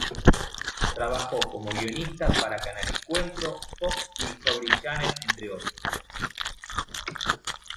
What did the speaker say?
Trabajó como guionista para Canal Encuentro, Fox y Discovery Channel entre otros.